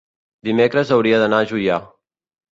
dimecres hauria d'anar a Juià.